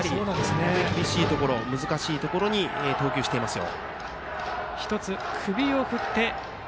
厳しいところ難しいところに投球していますよ。